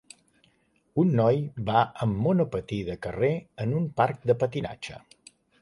Un noi va amb monopatí de carrer en un parc de patinatge.